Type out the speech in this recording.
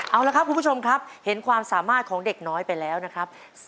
เอาละครับคุณผู้ชมครับเห็นความสามารถของเด็กน้อยไปแล้วนะครับ